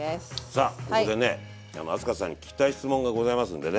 さあここでね明日香さんに聞きたい質問がございますんでね。